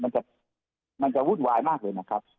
มันจะมันจะวุ่นวายมากเลยนะครับ